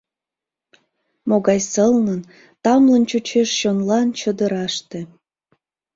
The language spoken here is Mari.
Могай сылнын, тамлын чучеш чонлан чодыраште.